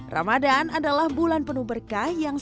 ramadhan adalah bulan penuh berkah yang setidaknya